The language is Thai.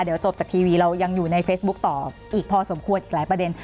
เดี๋ยวจบจากทีวีเรายังอยู่ในเฟซบุ๊คต่ออีกพอสมควรอีกหลายประเด็น